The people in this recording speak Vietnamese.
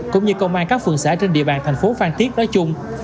cũng như công an các phường xã trên địa bàn thành phố phan tiết nói chung